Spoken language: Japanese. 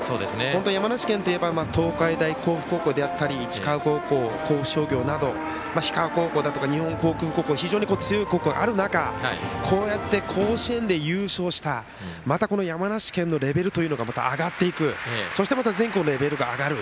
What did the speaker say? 山梨県といえば東海大甲府高校であったり市川高校、甲府商業など日川高校、日本航空高校など強い高校がある中甲子園で優勝した山梨県のレベルというのが上がっていくそしてまた全国のレベルが上がる。